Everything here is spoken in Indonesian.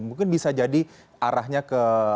mungkin bisa jadi arahnya ke